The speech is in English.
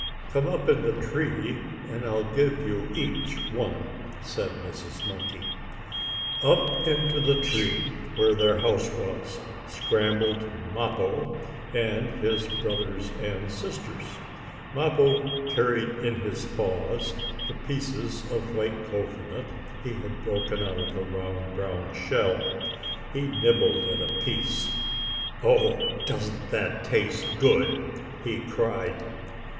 "Come up in the tree and I'll give you each one," said Mrs. Monkey. Up into the tree, where their house was, scrambled Mappo, and his brothers and sisters. Mappo carried in his paws the pieces of white cocoanut he had broken out of the round, brown shell. He nibbled at a piece. "Oh, doesn't that taste good!" he cried.